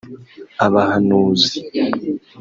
abahanuzi